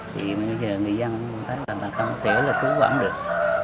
thì bây giờ người dân thấy là không thể là cứu bỏ không được